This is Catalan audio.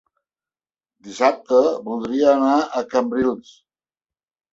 Dissabte voldria anar a Cambrils.